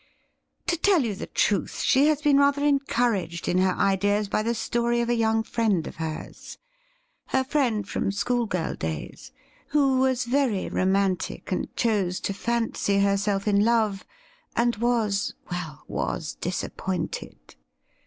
To tell you the truth, she has been rather encouraged in her ideas by the story of a young friend of hers — her friend from schoolgirl days — who was very romantic, and chose to fancy herself in love, and was — well, was disappointed.